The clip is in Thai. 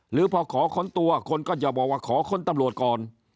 หรือพอขอค้นตัวคนก็จะบอกว่าขอค้นตำรวจก่อน